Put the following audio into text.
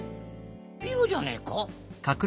ピロじゃねえか？